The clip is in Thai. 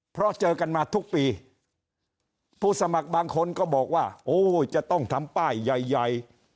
เพราะเจอกันมาทุกปีผู้สมัครบางคนก็บอกว่าโอ้จะต้องทำป้ายใหญ่ใหญ่